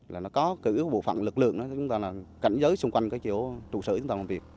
là nó có cấ bộ phận lực lượng đó chúng ta là cảnh giới xung quanh cái chỗ trụ sở chúng ta làm việc